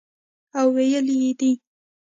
او ویلي یې دي